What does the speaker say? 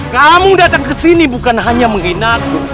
kamu datang kesini bukan hanya menghina aku